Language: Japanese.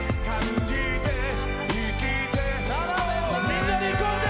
みんなでいこうぜ！